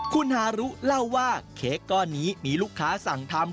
คุณฮารุเล่าว่าเค้กก้อนนี้มีลูกค้าสั่งทำ